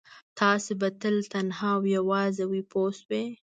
تاسو به تل تنها او یوازې وئ پوه شوې!.